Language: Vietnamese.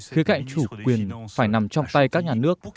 khía cạnh chủ quyền phải nằm trong tay các nhà nước